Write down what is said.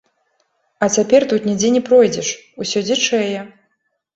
А цяпер тут нідзе не пройдзеш, усё дзічэе.